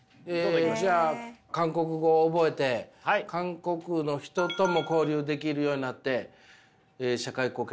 えじゃあ韓国語を覚えて韓国の人とも交流できるようになって社会貢献できるかもしれない。